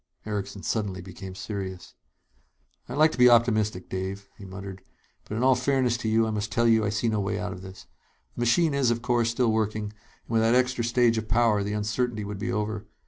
Erickson suddenly became serious. "I'd like to be optimistic, Dave," he muttered, "but in all fairness to you I must tell you I see no way out of this. The machine is, of course, still working, and with that extra stage of power, the uncertainty would be over.